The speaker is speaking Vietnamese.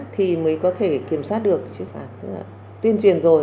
thì mới có thể kiểm soát được chứ phạt tức là tuyên truyền rồi